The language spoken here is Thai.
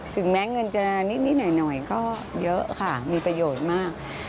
ถึงแม้เงินจะนิดหน่อยก็เยอะค่ะมีประโยชน์มาก